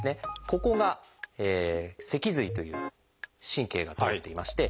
ここが脊髄という神経が通っていまして